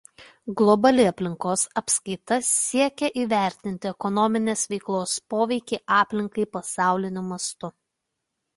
Globali aplinkos apskaita siekia įvertinti ekonominės veiklos poveikį aplinkai pasauliniu mastu.